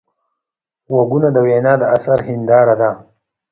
غوږونه د وینا د اثر هنداره ده